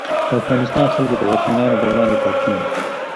د افغانستان خلکو د واکمنانو پر وړاندې پاڅون وکړ.